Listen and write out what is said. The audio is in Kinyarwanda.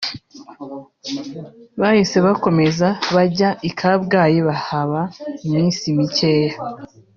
Bahise bakomeza bajya i Kabgayi bahaba iminsi mikeya